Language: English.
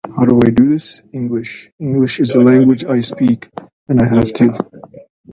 They were translated to several languages.